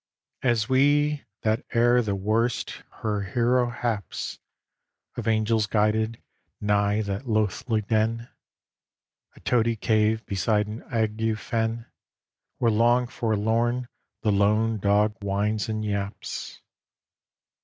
XVII As we, that ere the worst her hero haps, Of Angels guided, nigh that loathly den: A toady cave beside an ague fen, Where long forlorn the lone dog whines and yaps.